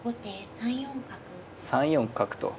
３四角と。